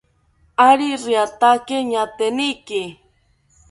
Ari riataki ñaateniki